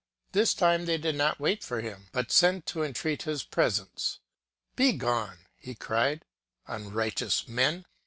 This time they did not wait for him, but sent to entreat his presence. ^* Begone,'^ he cried, ^* unrighteous men